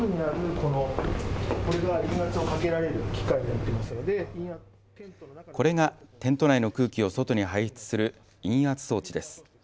これがテント内の空気を外に排出する陰圧装置です。